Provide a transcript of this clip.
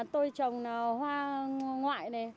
tôi trồng hoa ngoại này